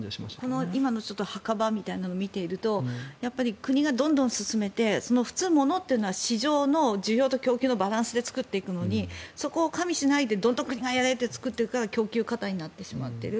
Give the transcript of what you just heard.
この今の墓場みたいなのを見ていると国がどんどん進めて普通、物というのは市場の需要と供給のバランスで作っていくのにそこを加味しないでどんどん国がやれって言って作ってしまうから供給過多になってしまっている。